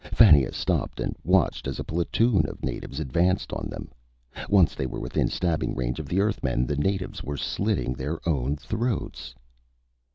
Fannia stopped and watched as a platoon of natives advanced on them. Once they were within stabbing range of the Earthmen, the natives were slitting their own throats!